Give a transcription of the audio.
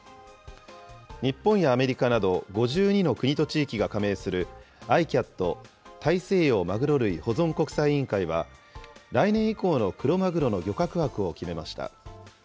日本やアメリカなど５２の国と地域が加盟するＩＣＣＡＴ・大西洋まぐろ類保存国際委員会は、来年以降のクロマグロの漁獲枠を決めました。